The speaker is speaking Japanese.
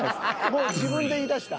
［もう自分で言いだした］